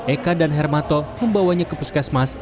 eka dan hermato membawanya ke puskesmas